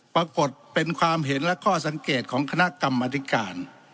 ปรากฏเป็นความเห็นและข้อสังเกตของคณะกรรมธิการ